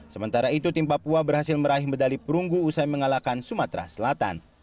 sementara itu tim papua berhasil meraih medali perunggu usai mengalahkan sumatera selatan